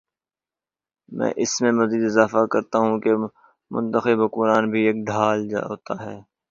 میں اس میں مزید اضافہ کرتا ہوں کہ منتخب حکمران بھی ایک ڈھال ہوتا ہے۔